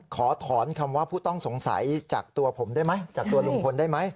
ขอถอนคำว่าผู้ต้องสงสัยจากตัวผมได้ไหมจากตัวลุงพลได้ไหม